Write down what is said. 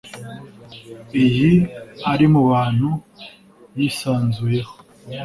Iyi ari mu bantu yisanzuyeho